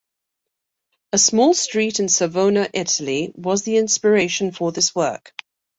A small street in Savona, Italy, was the inspiration for this work.